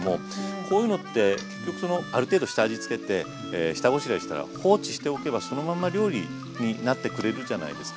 こういうのって結局そのある程度下味つけて下ごしらえしたら放置しておけばそのまま料理になってくれるじゃないですか。